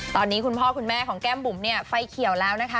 ตอนนี้คุณพ่อคุณแม่ของแก้มบุ๋มเนี่ยไฟเขียวแล้วนะคะ